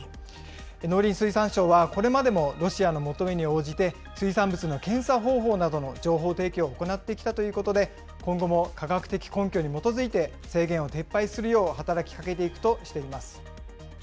農林水産省は、これまでもロシアの求めに応じて、水産物の検査方法などの情報提供を行ってきたということで、今後も科学的根拠に基づいて、制限を撤廃するよう働きかけていくとしています。